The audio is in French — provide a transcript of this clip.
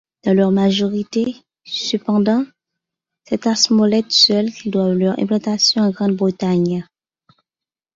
Dans leur majorité, cependant, c'est à Smollett seul qu'ils doivent leur implantation en Grande-Bretagne.